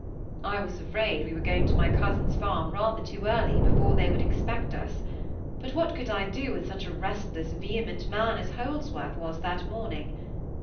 I was afraid we were going to my cousin's farm rather too early, before they would expect us; but what could I do with such a restless vehement man as Holdsworth was that morning?